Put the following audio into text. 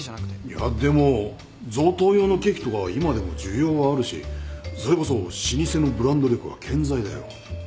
いやでも贈答用のケーキとかは今でも需要はあるしそれこそ老舗のブランド力は健在だよ。